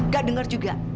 gak denger juga